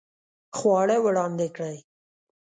خواړه وړاندې کړئ